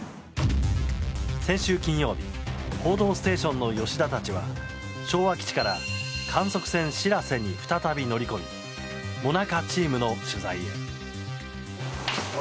先週金曜日「報道ステーション」の吉田たちは昭和基地から観測船「しらせ」に再び乗り込みＭＯＮＡＣＡチームの取材へ。